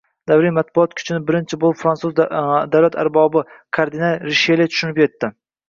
Davriy matbuot kuchini birinchi bo‘lib fransuz davlat arbobi, kardinal Rishele tushunib yetdi.